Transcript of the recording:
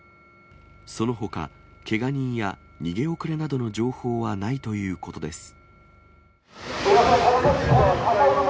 そのほか、けが人や逃げ遅れなどの情報はないということです。